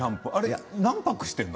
何泊してるの？